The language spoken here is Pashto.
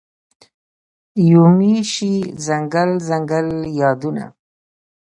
یومي شي ځنګل، ځنګل یادونوته